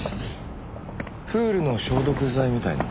プールの消毒剤みたいな。